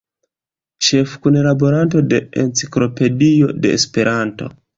Ĉefkunlaboranto de "Enciklopedio de Esperanto".